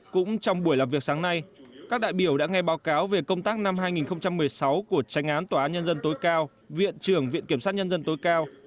cũng trong buổi làm việc sáng nay các đại biểu đã nghe báo cáo về công tác năm hai nghìn một mươi sáu của tranh án tòa án nhân dân tối cao viện trưởng viện kiểm sát nhân dân tối cao